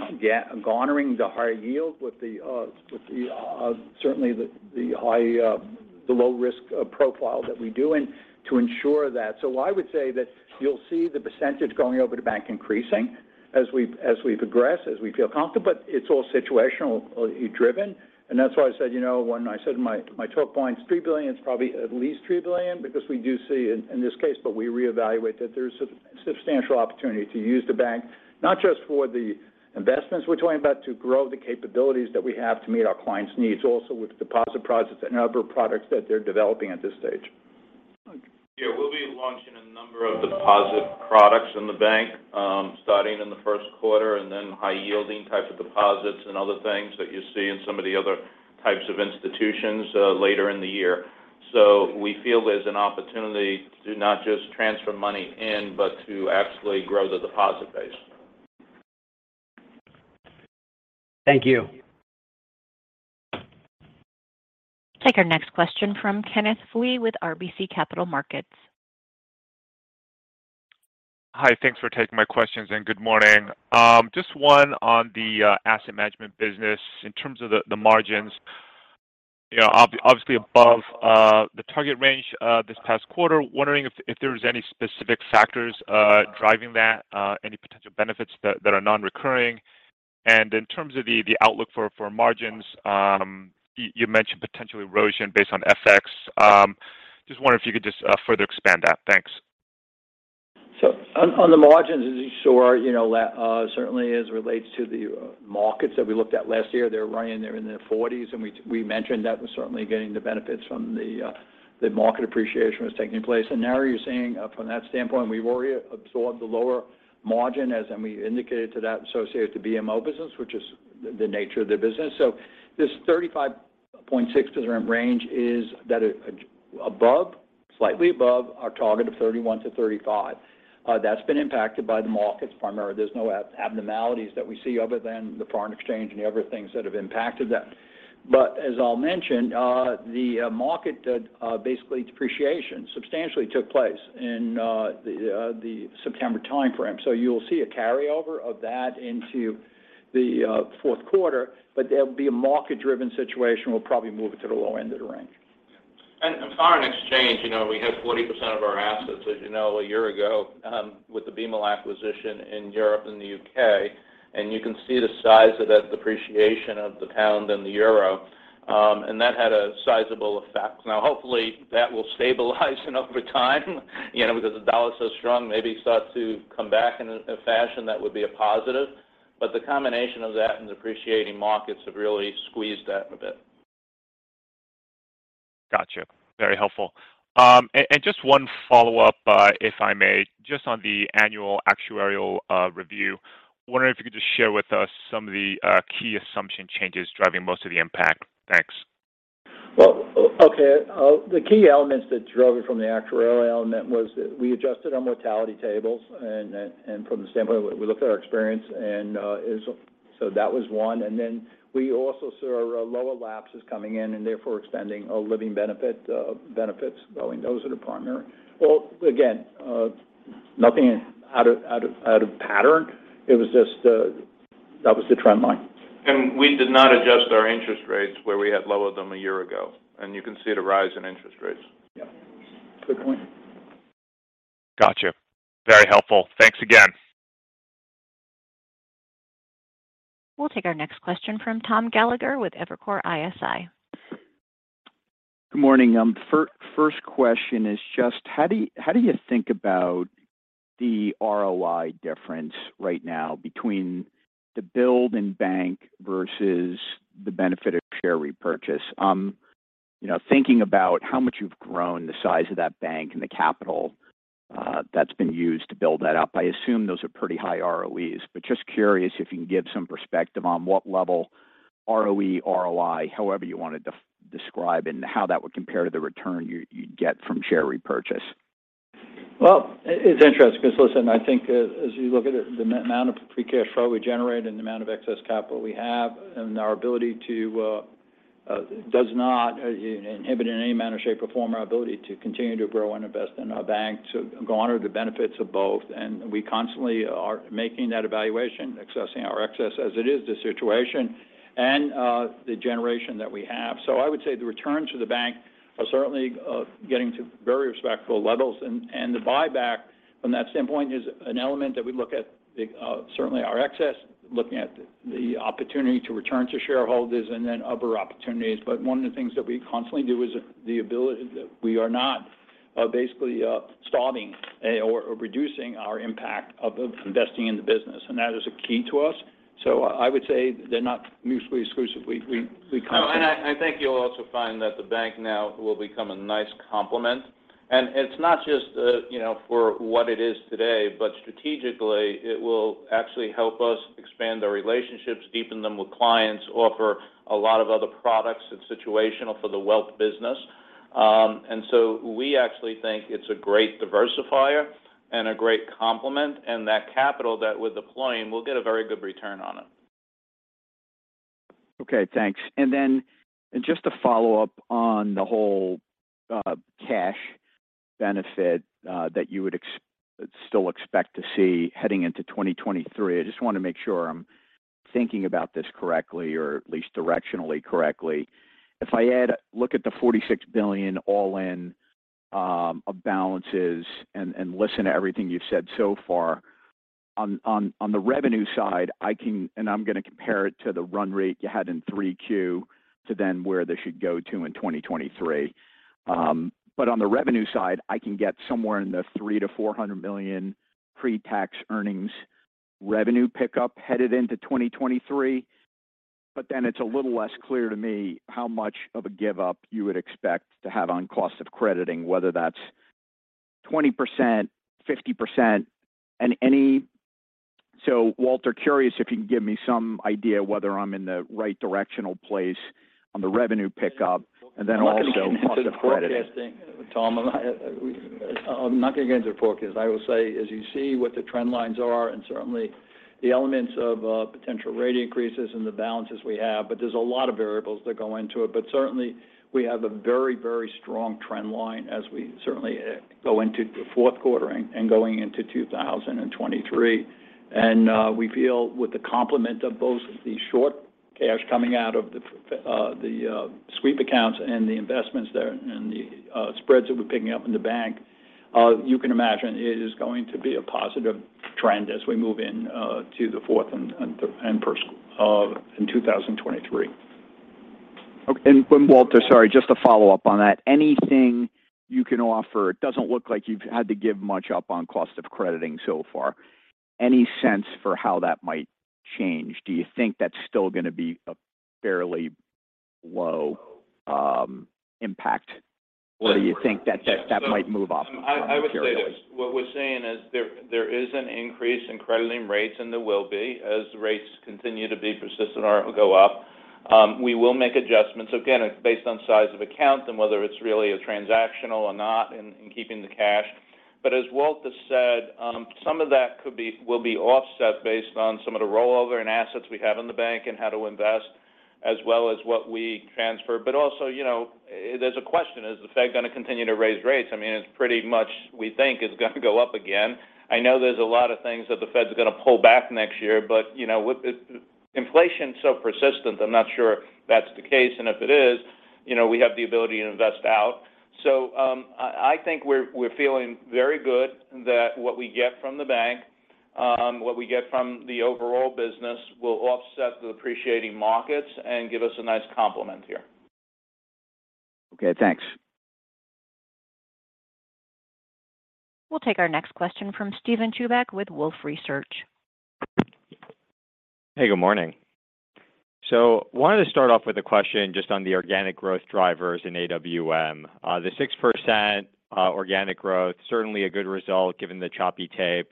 garnering the higher yield with the low risk profile that we do and to ensure that. I would say that you'll see the percentage going over the bank increasing as we progress, as we feel comfortable. It's all situational driven. That's why I said, you know, when I said my talking points $3 billion, it's probably at least $3 billion because we do see in this case, but we Re-evaluate that there's a substantial opportunity to use the bank, not just for the investments we're talking about to grow the capabilities that we have to meet our clients' needs. Also with deposit products and other products that they're developing at this stage. Mike. Yeah. We'll be launching a number of deposit products in the bank, starting in the first quarter, and then high-yielding type of deposits and other things that you see in some of the other types of institutions, later in the year. We feel there's an opportunity to not just transfer money in, but to actually grow the deposit base. Thank you. Take our next question from Kenneth Lee with RBC Capital Markets. Hi. Thanks for taking my questions, and good morning. Just one on the asset management business in terms of the margins. You know, obviously above the target range this past quarter. Wondering if there's any specific factors driving that, any potential benefits that are non-recurring. In terms of the outlook for margins, you mentioned potential erosion based on FX. Just wonder if you could just further expand that. Thanks. On the margins, as you saw, certainly as it relates to the markets that we looked at last year, they're right in there in the 40s%. We mentioned that was certainly getting the benefits from the market appreciation was taking place. Now you're seeing from that standpoint, we've already absorbed the lower margin and we indicated to that associated with the BMO business, which is the nature of their business. This 35.6% range is that above, slightly above our target of 31%-35%. That's been impacted by the markets primarily. There's no abnormalities that we see other than the foreign exchange and the other things that have impacted that. As I'll mention, the market basically depreciation substantially took place in the September timeframe. You'll see a carryover of that into the fourth quarter, but there'll be a market-driven situation. We'll probably move it to the low end of the range. In foreign exchange, you know, we had 40% of our assets, as you know, a year ago with the BMO acquisition in Europe and the UK. You can see the size of that depreciation of the pound and the euro. That had a sizable effect. Now hopefully that will stabilize enough over time, you know, because the dollar's so strong, maybe start to come back in a fashion that would be a positive. The combination of that and depreciating markets have really squeezed that a bit. Gotcha. Very helpful. Just one follow-up, if I may, just on the annual actuarial review. Wondering if you could just share with us some of the key assumption changes driving most of the impact. Thanks. Well, okay. The key elements that drove it from the actuarial element was that we adjusted our mortality tables and from the standpoint we looked at our experience and is so that was one. We also saw our lower lapses coming in and therefore extending our living benefit benefits growing. Those are the primary. Well, again, nothing out of pattern. It was just that was the trend line. We did not adjust our interest rates where we had lowered them a year ago, and you can see the rise in interest rates. Yeah. Good point. Gotcha. Very helpful. Thanks again. We'll take our next question from Thomas Gallagher with Evercore ISI. Good morning. First question is just how do you think about the ROI difference right now between the build and bank versus the benefit of share repurchase? You know, thinking about how much you've grown the size of that bank and the capital that's been used to build that up, I assume those are pretty high ROEs. But just curious if you can give some perspective on what level ROE, ROI, however you want to describe and how that would compare to the return you'd get from share repurchase. Well, it's interesting because, listen, I think as you look at it, the amount of free cash flow we generate and the amount of excess capital we have and our ability does not, you know, inhibit in any manner, shape, or form our ability to continue to grow and invest in our bank to grow and honor the benefits of both. We constantly are making that evaluation, assessing our excess as is the situation and the generation that we have. I would say the returns for the bank are certainly getting to very respectable levels. The buyback from that standpoint is an element that we look at, certainly our excess, looking at the opportunity to return to shareholders and then other opportunities. One of the things that we constantly do is we are not basically stopping or reducing our investment in the business, and that is a key to us. I would say they're not mutually exclusive. No. I think you'll also find that the bank now will become a nice complement. It's not just, you know, for what it is today, but strategically it will actually help us expand our relationships, deepen them with clients, offer a lot of other products that's situational for the wealth business. We actually think it's a great diversifier and a great complement. That capital that we're deploying will get a very good return on it. Okay. Thanks. Just to follow up on the whole, cash benefit, that you would still expect to see heading into 2023. I just want to make sure I'm thinking about this correctly or at least directionally correctly. If I look at the $46 billion all-in of balances and listen to everything you've said so far. On the revenue side, I can and I'm going to compare it to the run rate you had in 3Q to then where they should go to in 2023. On the revenue side, I can get somewhere in the $300 million-$400 million pre-tax earnings revenue pickup headed into 2023. It's a little less clear to me how much of a give-up you would expect to have on cost of crediting, whether that's 20%, 50%. Walter, curious if you can give me some idea whether I'm in the right directional place on the revenue pickup and then also cost of crediting. I'm not going to get into the forecasting, Tom. I will say as you see what the trend lines are, and certainly the elements of potential rate increases and the balances we have. There's a lot of variables that go into it. Certainly we have a very, very strong trend line as we certainly go into the fourth quarter and going into 2023. We feel with the complement of both the short cash coming out of the sweep accounts and the investments there and the spreads that we're picking up in the bank. You can imagine it is going to be a positive trend as we move into the fourth and in 2023. Okay. Walter, sorry, just to follow up on that. Anything you can offer, it doesn't look like you've had to give much up on cost of crediting so far. Any sense for how that might change? Do you think that's still going to be a fairly low impact? Or do you think that that might move up from here? I would say that what we're saying is there is an increase in crediting rates, and there will be. As rates continue to be persistent or go up, we will make adjustments. Again, based on size of account and whether it's really a transactional or not in keeping the cash. As Walter said, some of that will be offset based on some of the rollover in assets we have in the bank and how to invest as well as what we transfer. Also, you know, there's a question, is the Fed going to continue to raise rates? I mean, it's pretty much we think it's going to go up again. I know there's a lot of things that the Fed's going to pull back next year. You know, inflation is so persistent, I'm not sure that's the case. if it is, you know, we have the ability to invest out. I think we're feeling very good that what we get from the bank, what we get from the overall business will offset the appreciating markets and give us a nice complement here. Okay. Thanks. We'll take our next question from Steven Chubak with Wolfe Research. Hey, good morning. Wanted to start off with a question just on the organic growth drivers in AWM. The 6% organic growth, certainly a good result given the choppy tape.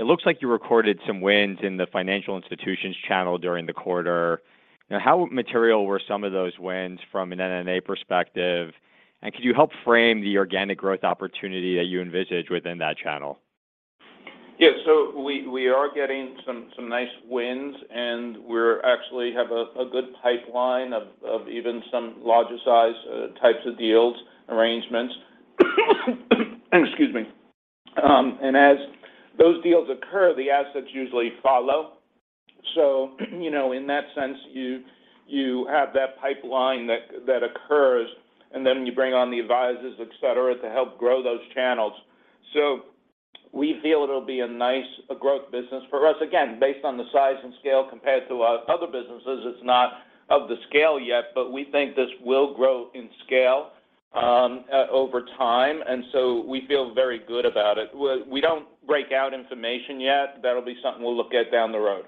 It looks like you recorded some wins in the financial institutions channel during the quarter. Now, how material were some of those wins from an NNA perspective? And could you help frame the organic growth opportunity that you envisage within that channel? Yeah. We are getting some nice wins, and we're actually have a good pipeline of even some larger size types of deals, arrangements. Excuse me. As those deals occur, the assets usually follow. You know, in that sense, you have that pipeline that occurs, and then you bring on the advisors, et cetera, to help grow those channels. We feel it'll be a nice growth business for us. Again, based on the size and scale compared to our other businesses, it's not of the scale yet, but we think this will grow in scale over time. We feel very good about it. We don't break out information yet. That'll be something we'll look at down the road.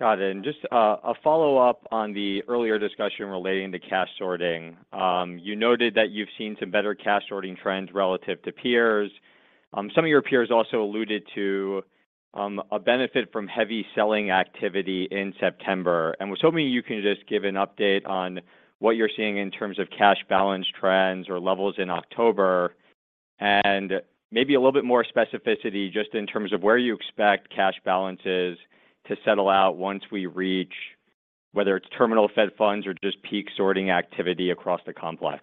Got it. Just a follow-up on the earlier discussion relating to cash sorting. You noted that you've seen some better cash sorting trends relative to peers. Some of your peers also alluded to a benefit from heavy selling activity in September. We're hoping you can just give an update on what you're seeing in terms of cash balance trends or levels in October, and maybe a little bit more specificity just in terms of where you expect cash balances to settle out once we reach, whether it's terminal Fed funds or just peak sorting activity across the complex.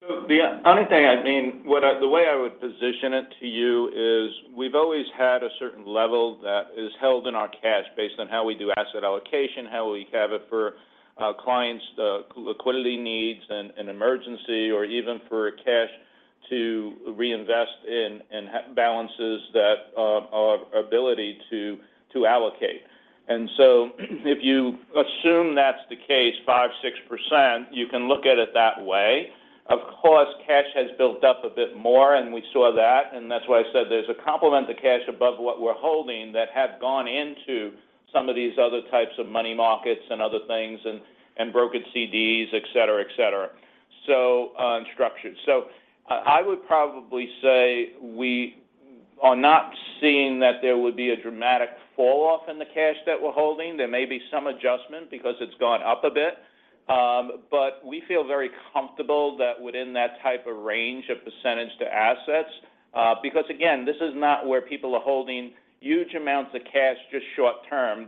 The only thing, I mean, the way I would position it to you is we've always had a certain level that is held in our cash based on how we do asset allocation, how we have it for our clients' liquidity needs and in emergency or even for cash to reinvest in cash balances that our ability to allocate. If you assume that's the case, 5-6%, you can look at it that way. Of course, cash has built up a bit more, and we saw that, and that's why I said there's a complement to cash above what we're holding that had gone into some of these other types of money markets and other things and brokered CDs, et cetera, et cetera, and structured. I would probably say we are not seeing that there would be a dramatic falloff in the cash that we're holding. There may be some adjustment because it's gone up a bit. We feel very comfortable that within that type of range of percentage to assets, because again, this is not where people are holding huge amounts of cash just short term.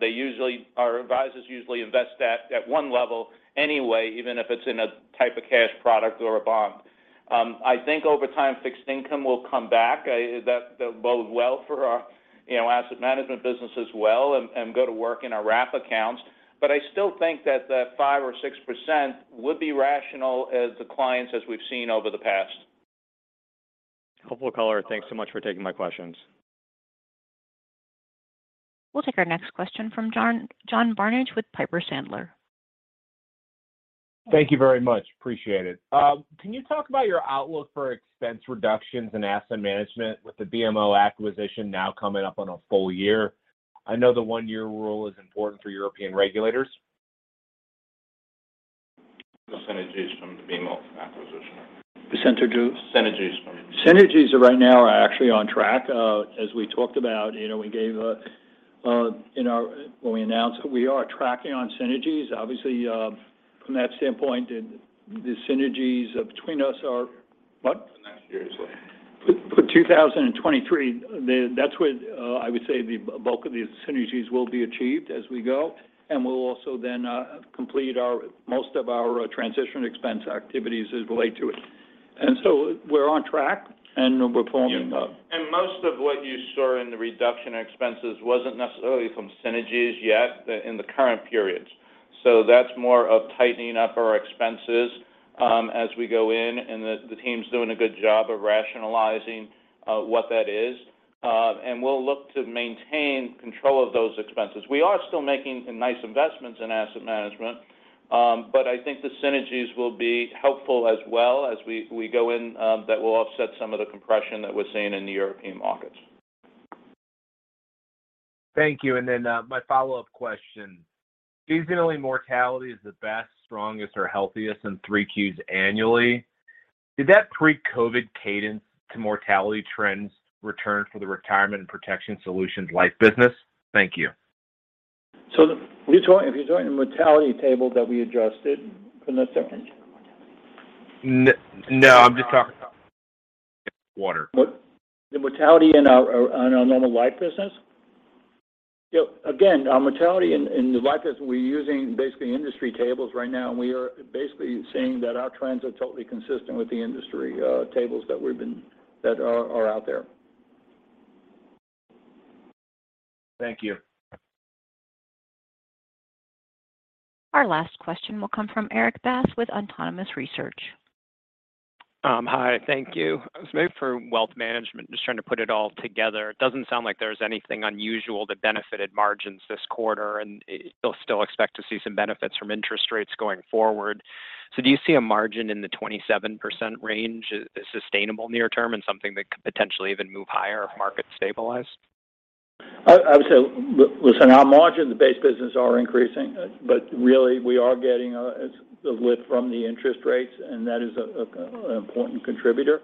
Our advisors usually invest that at one level anyway, even if it's in a type of cash product or a bond. I think over time, fixed income will come back. That bodes well for our, you know, asset management business as well and go to work in our wrap accounts. I still think that 5%-6% would be rational as the clients as we've seen over the past. Helpful color. Thanks so much for taking my questions. We'll take our next question from John Barnidge with Piper Sandler. Thank you very much. Appreciate it. Can you talk about your outlook for expense reductions in asset management with the BMO acquisition now coming up on a full year? I know the one-year rule is important for European regulators. Synergies from the BMO acquisition. The synergies. Synergies from. Synergies right now are actually on track. As we talked about, you know, when we announced, we are tracking on synergies. Obviously, from that standpoint, the synergies between us are what? The next year or so. For 2023, that's when I would say the bulk of the synergies will be achieved as we go. We'll also then complete our most of our transition expense activities as they relate to it. We're on track, and we're performing well. Most of what you saw in the reduction in expenses wasn't necessarily from synergies yet in the current periods. That's more of tightening up our expenses, as we go in, and the team's doing a good job of rationalizing what that is. We'll look to maintain control of those expenses. We are still making some nice investments in asset management, but I think the synergies will be helpful as well as we go in, that will offset some of the compression that we're seeing in the European markets. Thank you. My follow-up question. Seasonally, mortality is the best, strongest, or healthiest in three Qs annually. Did that pre-COVID cadence to mortality trends return for the Retirement & Protection Solutions life business? Thank you. If you're talking about the mortality table that we adjusted from the second- No, I'm just talking water. The mortality in our normal life business. You know, again, our mortality in the life business, we're using basically industry tables right now, and we are basically saying that our trends are totally consistent with the industry tables that are out there. Thank you. Our last question will come from Erik Bass with Autonomous Research. Hi. Thank you. Maybe for wealth management, just trying to put it all together. It doesn't sound like there's anything unusual that benefited margins this quarter, and you'll still expect to see some benefits from interest rates going forward. Do you see a margin in the 27% range as sustainable near term and something that could potentially even move higher if markets stabilize? I would say, listen, our margins base business are increasing, but really we are getting a lift from the interest rates, and that is an important contributor.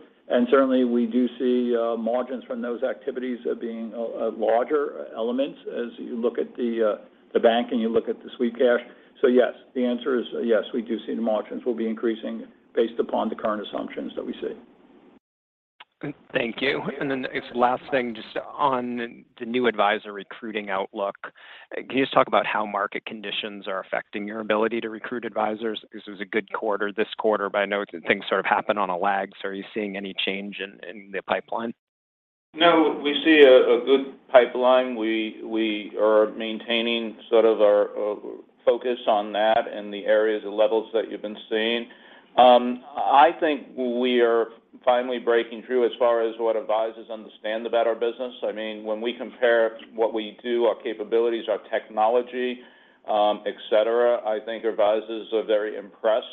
Certainly, we do see margins from those activities as being a larger element as you look at the bank and you look at the sweep cash. Yes, the answer is yes, we do see the margins will be increasing based upon the current assumptions that we see. Thank you. Last thing, just on the new advisor recruiting outlook. Can you just talk about how market conditions are affecting your ability to recruit advisors? This was a good quarter this quarter, but I know things sort of happen on a lag. Are you seeing any change in the pipeline? No, we see a good pipeline. We are maintaining sort of our focus on that in the areas and levels that you've been seeing. I think we are finally breaking through as far as what advisors understand about our business. I mean, when we compare what we do, our capabilities, our technology, et cetera, I think our advisors are very impressed,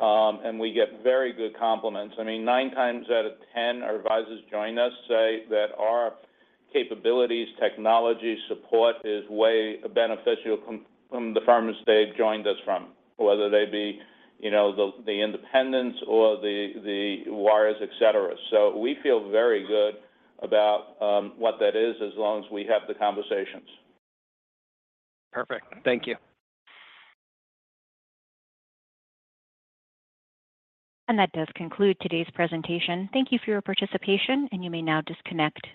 and we get very good compliments. I mean, nine times out of ten, our advisors join us, say that our capabilities, technology, support is way beneficial from the firms they've joined us from, whether they be, you know, the independents or the wires, et cetera. We feel very good about what that is as long as we have the conversations. Perfect. Thank you. That does conclude today's presentation. Thank you for your participation, and you may now disconnect.